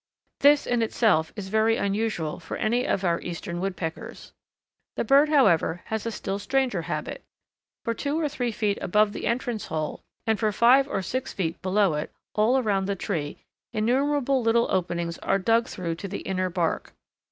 This, in itself, is very unusual for any of our eastern Woodpeckers. The bird, however, has a still stranger habit. For two or three feet above the entrance hole, and for five or six feet below it, all around the tree, innumerable small openings are dug through to the inner bark.